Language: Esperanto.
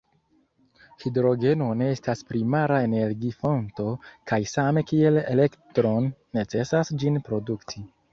Hidrogeno ne estas primara energi-fonto, kaj same kiel elektron, necesas ĝin produkti.